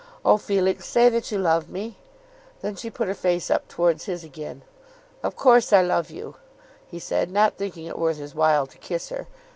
Oh, Felix, say that you love me." Then she put her face up towards his again. "Of course I love you," he said, not thinking it worth his while to kiss her.